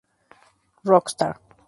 Rock Star